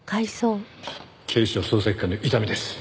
警視庁捜査一課の伊丹です。